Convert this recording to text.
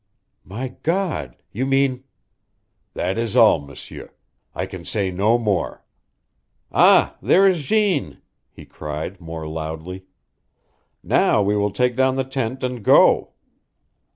"My God, you mean " "That is all, M'sieur. I can say no more. Ah, there is Jeanne!" he cried, more loudly. "Now we will take down the tent, and go."